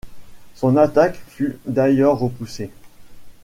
Son attaque fut d'ailleurs repoussée.